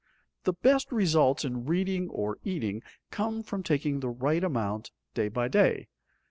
The best results in reading or eating come from taking the right amount day by day.